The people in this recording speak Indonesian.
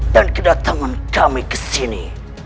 dan kedatangan kami kesini